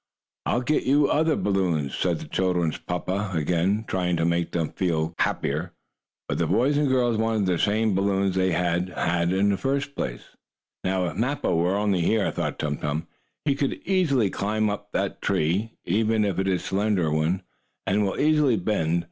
"I'll get you other balloons," said the children's papa again, trying to make them feel happier. But the boy and girl wanted the same balloons they had had first. "Now if Mappo were only here," thought Tum Tum, "he could easily climb up that tree, even if it is a slender one, and will easily bend.